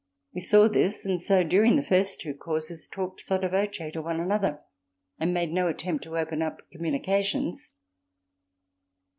We saw this and so, during the first two courses, talked sotto voce to one another, and made no attempt to open up communications.